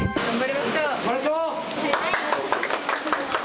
頑張りましょう！